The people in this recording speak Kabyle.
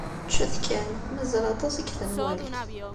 Ččet kan. Mazal aṭas deg tenwalt.